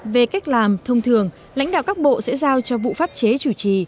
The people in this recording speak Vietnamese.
về cách làm thông thường lãnh đạo các bộ sẽ giao cho vụ pháp chế chủ trì